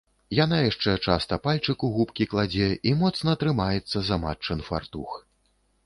Яна яшчэ часта пальчык у губкі кладзе і моцна трымаецца за матчын фартух.